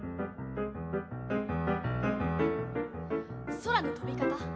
「空の飛び方？